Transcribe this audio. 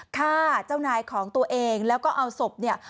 ฆ่าเจ้านายของตัวเองแล้วก็เอาศพเนี่ย